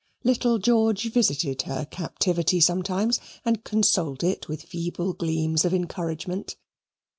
Little George visited her captivity sometimes and consoled it with feeble gleams of encouragement.